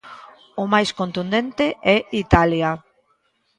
O máis contundente é Italia.